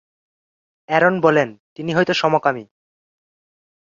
Aaron বলেন, তিনি হয়ত সমকামী।